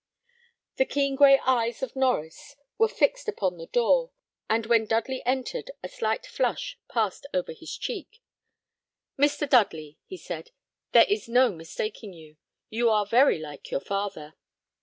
The keen gray eyes of Norries were fixed upon the door, and when Dudley entered a slight flush passed over his cheek. "Mr. Dudley," he said; "there is no mistaking you. You are very like your father."